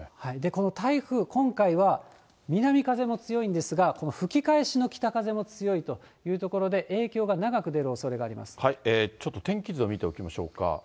この台風、今回は、南風も強いんですが、この吹き返しの北風も強いということで、ちょっと天気図を見ておきましょうか。